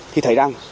thì thấy rằng